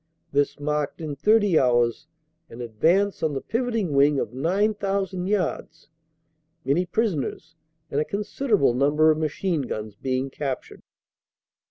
This marked in 30 hours an advance on the pivoting wing of 9,000 yards, many prison ers and a considerable number of machine guns being cap tured.